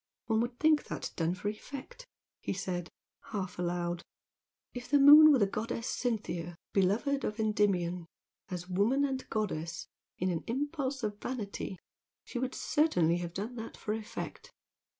"One would think that done for effect!" he said, half aloud "If the moon were the goddess Cynthia beloved of Endymion, as woman and goddess in an impulse of vanity she would certainly have done that for effect!